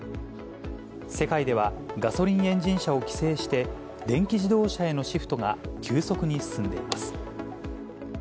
世界ではガソリンエンジン車を規制して、電気自動車へのシフトが急速に進んでいます。